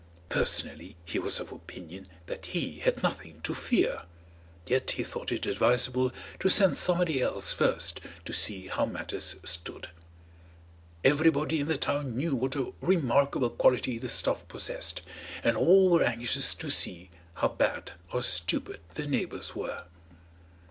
Personally, he was of opinion that he had nothing to fear, yet he thought it advisable to send somebody else first to see how matters stood. Everybody in the town knew what a remarkable quality the stuff possessed, and all were anxious to see how bad or stupid their neighbours were.